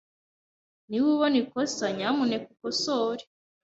Niba ubona ikosa, nyamuneka ukosore.